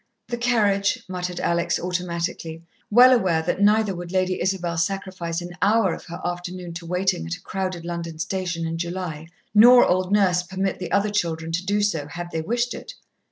"The carriage," muttered Alex automatically, well aware that neither would Lady Isabel sacrifice an hour of her afternoon to waiting at a crowded London station in July, nor old Nurse permit the other children to do so, had they wished it.